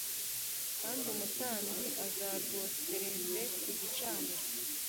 kandi umutambyi azarwosereze ku gicaniro